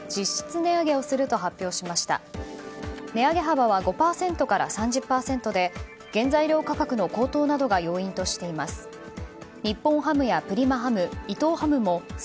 値上げ幅は５％から３０％で原材料価格の高騰などが要因としています。